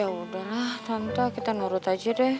ya udahlah tante kita nurut aja deh